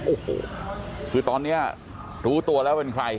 โอ้โหคือตอนนี้รู้ตัวแล้วเป็นใคร